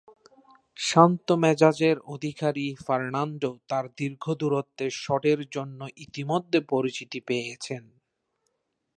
শান্ত মেজাজের অধিকারী ফার্নান্দো তার দীর্ঘ দূরত্বের শটের জন্য ইতোমধ্যেই পরিচিতি পেয়েছেন।